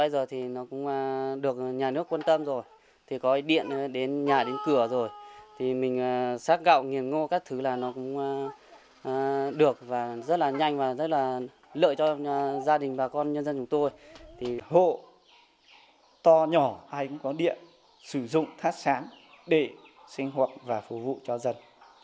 sử dụng thát sáng để sinh hoạt và phục vụ cho dân